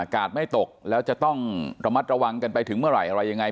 ไม่ตกแล้วจะต้องระมัดระวังกันไปถึงเมื่อไหร่อะไรยังไง